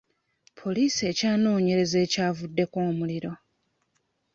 Poliisi ekyanoonyereza ekyavuddeko omuliro.